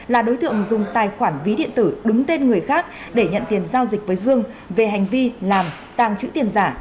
là đối tượng dùng tài khoản ví điện tử đứng tên người khác để nhận tiền giao dịch với dương về hành vi làm tàng trữ tiền giả